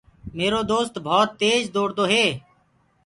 ميرو دوست ڀوت تيج دوڙ دو هي۔